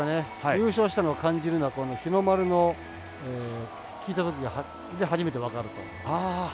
優勝したのを感じるのは日の丸を聞いたときで初めて分かると。